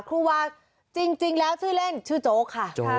ครูวาจริงแล้วชื่อเล่นชื่อโจ๊กค่ะ